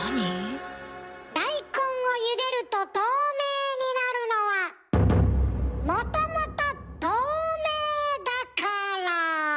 大根をゆでると透明になるのはもともと透明だから。